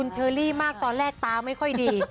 เชอรี่มากตอนแรกตาไม่ค่อยดี